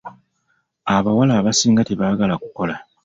Abawala abasinga tebaagala kukola.